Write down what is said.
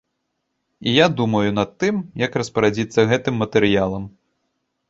І я думаю над тым, як распарадзіцца гэтым матэрыялам.